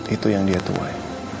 itu yang dia tuai